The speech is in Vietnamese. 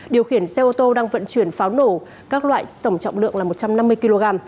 điều khiển xe ô tô đang vận chuyển pháo nổ các loại tổng trọng lượng là một trăm năm mươi kg